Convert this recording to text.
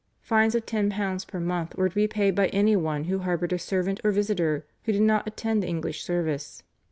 Fines of £10 per month were to be paid by anyone who harboured a servant or visitor who did not attend the English service.